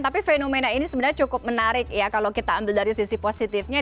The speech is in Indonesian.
tapi fenomena ini sebenarnya cukup menarik ya kalau kita ambil dari sisi positifnya